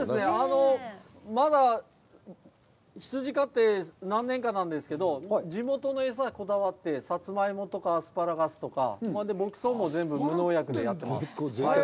まだ羊飼って何年かなんですけど、地元の餌にこだわって、サツマイモとか、アスパラガスとか、牧草も全部無農薬でやってます。